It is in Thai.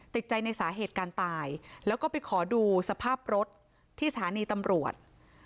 ติดใจในสาเหตุการตายแล้วก็ไปขอดูสภาพรถที่สถานีตำรวจ